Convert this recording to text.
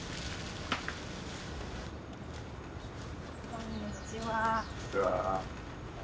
こんにちは。